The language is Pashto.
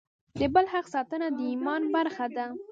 د بل حق ساتنه د ایمان برخه ده.